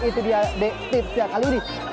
itu dia tipsnya kali ini